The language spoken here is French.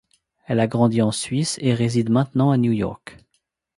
Elle a grandi en Suisse et réside maintenant à New York.